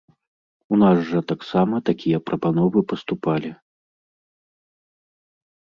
У нас жа таксама такія прапановы паступалі.